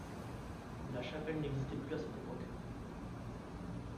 La chapelle n’existait plus à cette époque.